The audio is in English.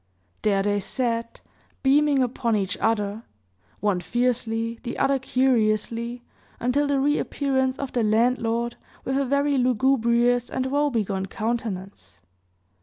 There they sat, beaming upon each other one fiercely, the other curiously, until the re appearance of the landlord with a very lugubrious and woebegone countenance.